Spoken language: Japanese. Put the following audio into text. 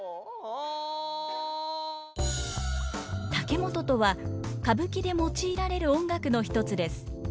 竹本とは歌舞伎で用いられる音楽の一つです。